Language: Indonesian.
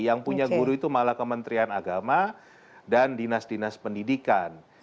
yang punya guru itu malah kementerian agama dan dinas dinas pendidikan